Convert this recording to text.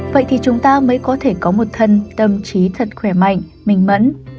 vậy thì chúng ta mới có thể có một thân tâm trí thật khỏe mạnh minh mẫn